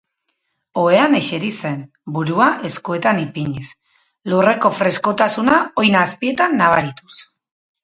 Ohean eseri zen, burua eskuetan ipiniz, lurreko freskotasuna oin-azpietan nabarituz.